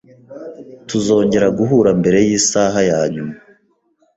Tuzongera guhura mbere yisaha yanyuma